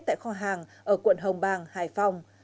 tại kho hàng ở quận hồng bàng hải phòng